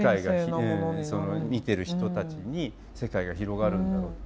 見てる人たちに世界が広がるんだろう。